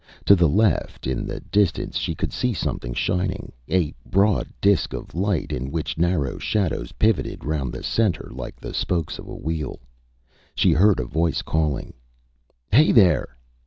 To the left, in the distance, she could see something shining: a broad disc of light in which narrow shadows pivoted round the centre like the spokes of a wheel. She heard a voice calling, ÂHey! There!